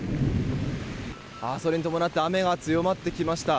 それに伴って雨が強まってきました。